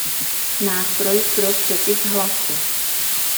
Nástroj pro přepis hlasu.